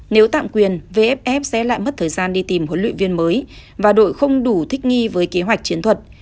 nếu tạm quyền vff sẽ lại mất thời gian đi tìm huấn luyện viên mới và đội không đủ thích nghi với kế hoạch chiến thuật